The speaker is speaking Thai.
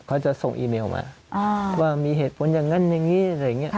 เขาจะส่งอีเมลมาว่ามีเหตุผลอย่างนั้นอย่างนี้อะไรอย่างนี้